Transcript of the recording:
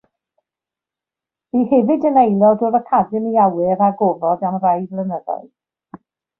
Bu hefyd yn aelod o'r Academi Awyr a Gofod am rai blynyddoedd.